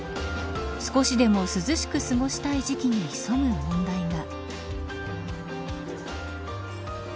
少しでも涼しく過ごしたい時期に潜む問題が。